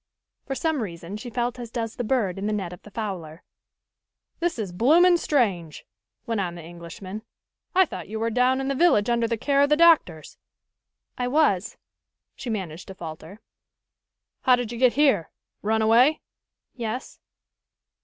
For some reason she felt as does the bird in the net of the fowler. "This is bloomin' strange," went on the Englishman. "I thought you were down in the village, under the care of the doctors." "I was," she managed to falter. "How did you get here run away?" "Yes."